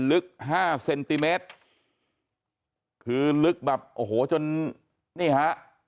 ลึกห้าเซนติเมตรคือลึกแบบโอ้โหจนนี่ฮะ